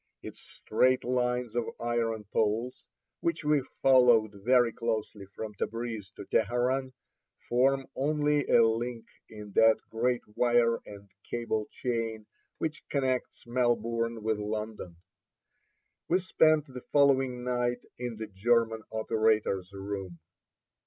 Its straight lines of iron poles, which we followed very closely from Tabreez to Teheran, form only a link in 83 in that great wire and cable chain which connects Melbourne with London. We spent the following night in the German operator's room.